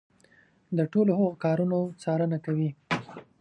د ټولو هغو کارونو څارنه کوي.